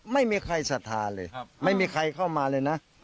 ไม่มีใครสัทธาเลยไม่มีใครเข้ามาเลยนะ